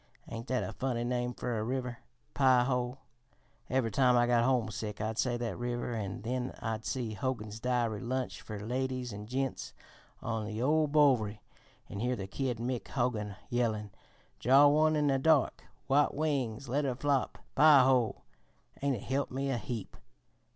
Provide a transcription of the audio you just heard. Ain't that a funny name fer a river? Pie ho? Every time I got homesick I'd say that river, an' then I'd see Hogan's Dairy Lunch fer Ladies an' Gents on the ol' Bowery an' hear the kid Mick Hogan yellin': 'Draw one in the dark! White wings let her flop! Pie ho!' an' it helped me a heap."